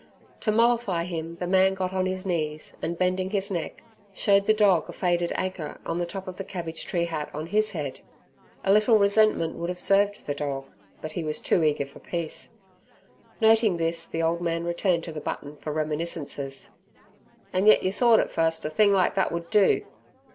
To mollify him the man got on his knees and, bending his neck, showed the dog a faded anchor on the top of the cabbage tree hat on his head. A little resentment would have served the dog, but he was too eager for peace. Noting this, the old man returned to the button for reminiscences. "An' yet you thort at fust a thing like thet would do."